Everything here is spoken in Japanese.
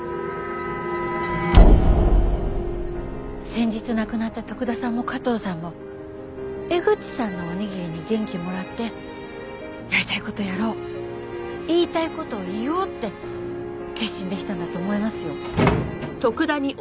先日亡くなった徳田さんも加藤さんも江口さんのおにぎりに元気もらってやりたい事やろう言いたい事を言おうって決心できたんだと思いますよ。